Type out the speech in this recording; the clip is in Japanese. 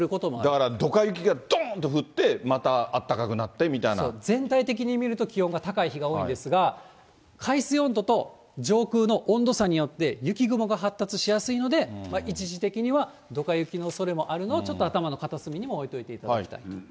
だからドカ雪がどん！と降って、またあったかくなってみたい全体的に見ると、気温が高い日が多いんですが、海水温度と上空の温度差によって、雪雲が発達しやすいので、一時的にはドカ雪のおそれもあるのをちょっと頭の片隅にも置いておいていただきたい。